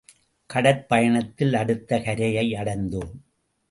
கடற் பயணத்தில் அடுத்த கரையை அடைந்தோம்.